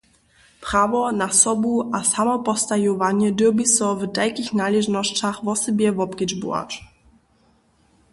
Prawo na sobu- a samopostajowanje dyrbi so w tajkich naležnosćach wosebje wobkedźbować.